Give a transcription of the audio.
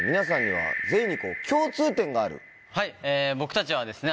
はい僕たちはですね